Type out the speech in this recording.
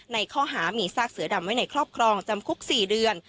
ในข้อหามีซากเสือดำไว้ในครอบครองจำคุก๔เดือน